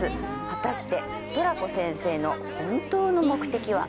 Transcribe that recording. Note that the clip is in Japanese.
果たしてトラコ先生の本当の目的は？